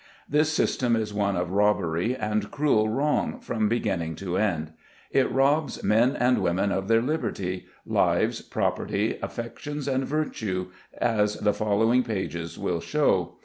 This system is one of robbery and cruel wrong, from beginning to end. It robs men and women of their liberty, lives, property, affections, and virtue, as the following pages will show.